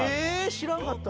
知らんかった。